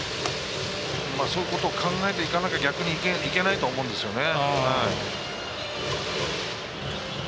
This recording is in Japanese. そういうことを考えていかなきゃ逆にいけないと思うんですよね。